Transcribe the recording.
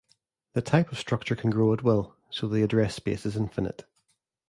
The type of structure can grow at will, so the address space is infinite.